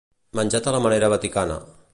Menjat a la manera vaticana.